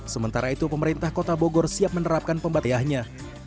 sementara itu pemerintah kota bogor siap menerapkan pembatiahnya